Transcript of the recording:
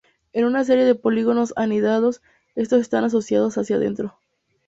En una serie de polígonos anidados, estos están asociados hacia adentro.